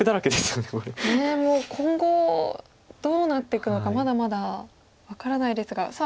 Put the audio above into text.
ねえもう今後どうなっていくのかまだまだ分からないですがさあ